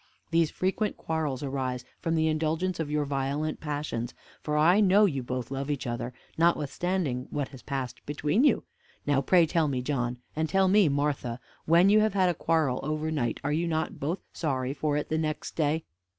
These frequent quarrels arise from the indulgence of your violent passions; for I know you both love each other, notwithstanding what has passed between you. Now, pray tell me, John, and tell me, Martha, when you have had a quarrel over night, are you not both sorry for it the next day?"